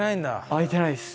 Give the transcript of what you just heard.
開いてないです。